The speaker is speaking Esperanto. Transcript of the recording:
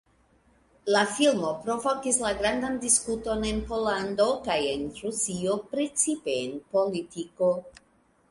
La filmo provokis la grandan diskuton en Pollando kaj en Rusio precipe en politiko.